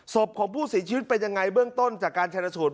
ศพของผู้เสียชีวิตเป็นยังไงเบื้องต้นจากการชนะสูตร